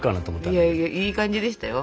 いやいやいい感じでしたよ。